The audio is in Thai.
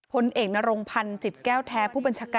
พลเอกนรงพันธ์จิตแก้วแท้ผู้บัญชาการ